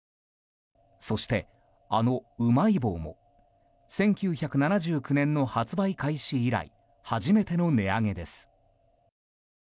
そして、あのうまい棒も１９７９年の発売開始以来初めての値上げです。